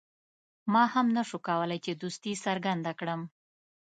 ما هم نه شو کولای چې دوستي څرګنده کړم.